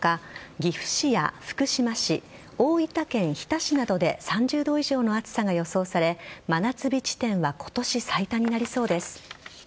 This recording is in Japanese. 岐阜市や福島市大分県日田市などで３０度以上の暑さが予想され真夏日地点は今年最多になりそうです。